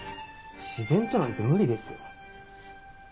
自然となんて無理ですよ。